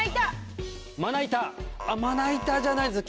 まな板まな板じゃないです。